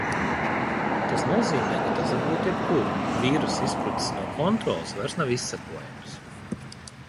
Tas nozīmē, ka tas var būt jebkur. Vīruss izsprucis no kontroles, vairs nav izsekojams.